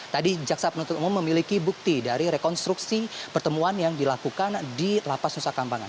tadi jaksa penuntut umum memiliki bukti dari rekonstruksi pertemuan yang dilakukan di lapas nusa kambangan